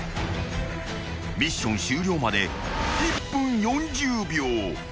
［ミッション終了まで１分４０秒］